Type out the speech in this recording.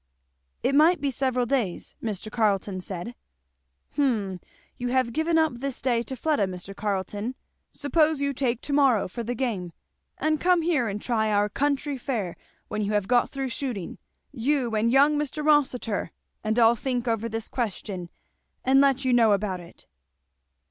It might be several days, Mr. Carleton said. "Hum You have given up this day to Fleda, Mr. Carleton, suppose you take to morrow for the game, and come here and try our country fare when you have got through shooting? you and young Mr. Rossitur? and I'll think over this question and let you know about it."